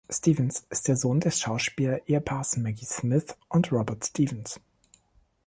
Stephens ist der Sohn des Schauspielerehepaars Maggie Smith und Robert Stephens.